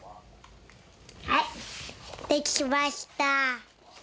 はいできました。